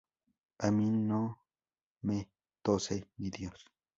A mí no me tose ni Dios